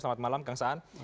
selamat malam kang saan